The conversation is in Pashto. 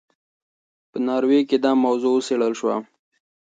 په ناروې کې دا موضوع وڅېړل شوه.